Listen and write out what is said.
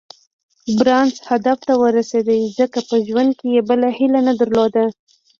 بارنس هدف ته ورسېد ځکه په ژوند کې يې بله هيله نه درلوده.